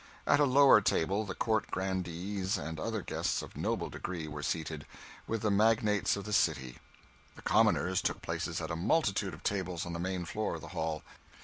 At a lower table the Court grandees and other guests of noble degree were seated, with the magnates of the city; the commoners took places at a multitude of tables on the main floor of the hall.